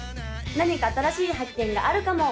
何か新しい発見があるかも？